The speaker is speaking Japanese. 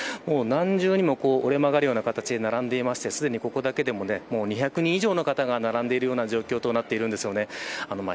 何重にも折れ曲がるような形で並んでいてすでに、ここだけでも２００人以上の方が並んでいる状況です。